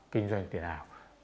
kinh doanh tiền ảo